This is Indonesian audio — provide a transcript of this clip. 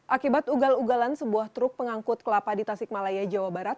akibat ugal ugalan sebuah truk pengangkut kelapa di tasik malaya jawa barat